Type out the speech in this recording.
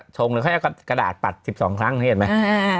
ชงเลยเขาให้กระดาษปัด๑๒ครั้งเห็นไหม